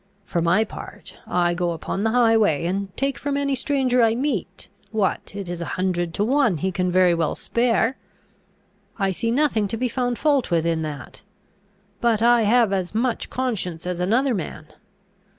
For my part, I go upon the highway, and take from any stranger I meet what, it is a hundred to one, he can very well spare. I see nothing to be found fault with in that. But I have as much conscience as another man.